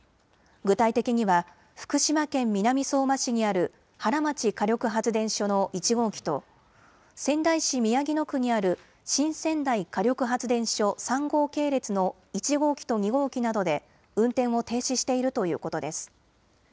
具体的には福島県南相馬市にある原町火力発電所の１号機と仙台市宮城野区にある新仙台火力発電所３号系列の１号機と２号機などで運転を停止しているということです。